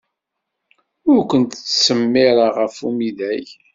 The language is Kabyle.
Ur kent-ttsemmireɣ ɣef umidag.